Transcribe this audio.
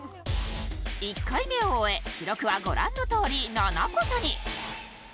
１回目を終え記録はご覧のとおり７個差に。